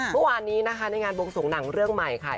เมื่อวานนี้นะคะในงานวงสงหนังเรื่องใหม่ค่ะ